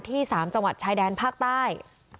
๓จังหวัดชายแดนภาคใต้